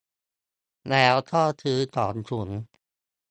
แล้วก็ซื้อสองถุง